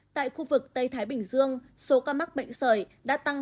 tại khu vực tây thái bình dương số ca mắc bệnh sời đã tăng hai trăm năm mươi năm